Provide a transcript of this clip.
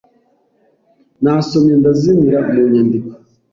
Nasomye ndazimira mu nyandiko